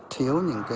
thiếu những cái